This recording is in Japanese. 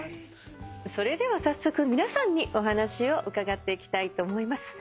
それでは早速皆さんにお話を伺っていきたいと思います。